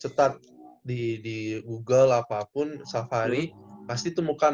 setat di google apapun safari pasti temukan